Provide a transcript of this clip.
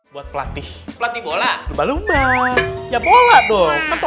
buat pelatih pelatih bola lumba lumba ya bola dong topiknya bola kalau masalah